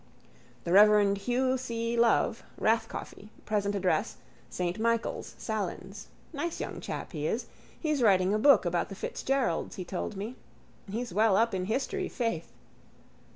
—The reverend Hugh C. Love, Rathcoffey. Present address: Saint Michael's, Sallins. Nice young chap he is. He's writing a book about the Fitzgeralds he told me. He's well up in history, faith.